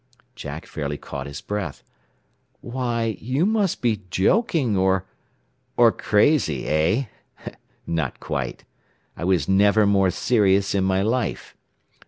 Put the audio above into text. Jack fairly caught his breath. "Why, you must be joking, or " "Or crazy, eh? Not quite. I was never more serious in my life.